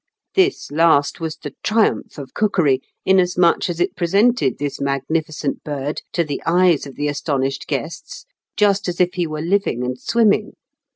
This last was the triumph of cookery, inasmuch as it presented this magnificent bird to the eyes of the astonished guests just as if he were living and swimming.